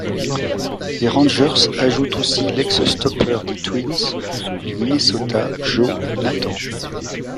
Les Rangers ajoutent aussi l'ex-stoppeur des Twins du Minnesota, Joe Nathan.